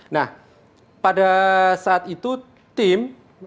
nah pada saat itu tim